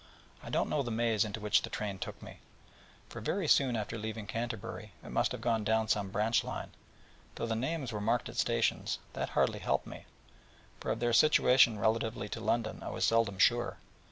I do not know the maze into which the train took me, for very soon after leaving Canterbury it must have gone down some branch line, and though the names were marked at stations, that hardly helped me, for of their situation relatively to London I was seldom sure.